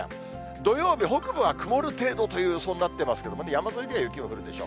土曜日、北部は曇る程度という、予想になってますけど、山沿いでは雪も降るでしょう。